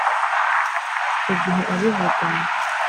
” Icyo gihe abivuga